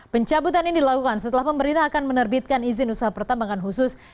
pencabutan ini dilakukan setelah pemerintah akan menerbitkan izin usaha pertambangan khusus